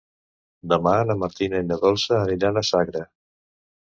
Demà na Martina i na Dolça aniran a Sagra.